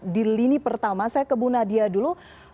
di lini pertama saya ke bu nadia dulu